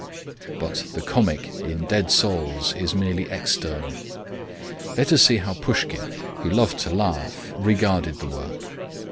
But the comic in Dead Souls is merely external. Let us see how Pushkin, who loved to laugh, regarded the work.